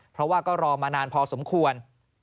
เพราะว่าก็รอมานานพอสมควร